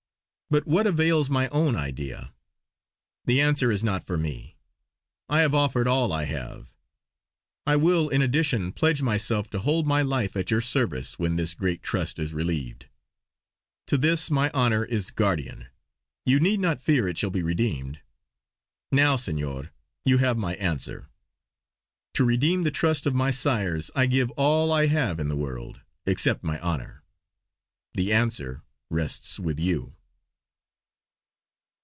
But what avails my own idea? The answer is not for me! I have offered all I have. I will in addition pledge myself to hold my life at your service when this great trust is relieved. To this my honour is guardian; you need not fear it shall be redeemed! Now Senor, you have my answer! To redeem the trust of my sires I give all I have in the world, except my honour! The answer rests with you!"